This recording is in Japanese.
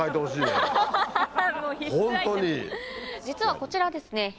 実はこちらですね